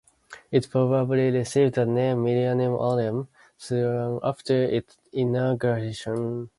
It probably received the name "Milliarium Aureum" soon after its inauguration.